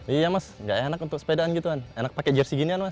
iya mas gak enak untuk sepedaan gitu kan enak pakai jersi ginian mas